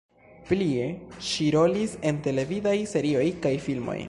Plie ŝi rolis en televidaj serioj kaj filmoj.